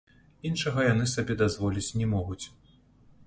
Іншага яны сабе дазволіць не могуць.